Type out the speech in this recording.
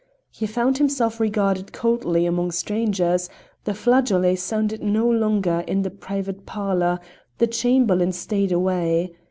He found himself regarded coldly among strangers; the flageolet sounded no longer in the private parlour; the Chamberlain stayed away.